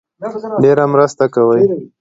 ډېره مرسته کوي